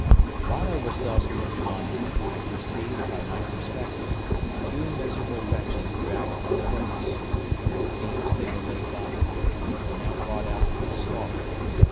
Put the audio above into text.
While I was thus looking on them, I perceived, by my perspective, two miserable wretches dragged from the boats, where, it seems, they were laid by, and were now brought out for the slaughter.